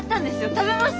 食べます？